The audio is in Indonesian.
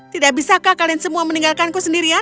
tidak bisakah kalian semua meninggalkanku sendirian